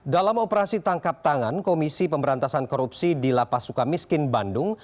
dalam operasi tangkap tangan komisi pemberantasan korupsi di lapas suka miskin bandung